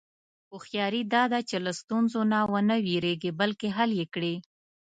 هوښیاري دا ده چې له ستونزو نه و نه وېرېږې، بلکې حل یې کړې.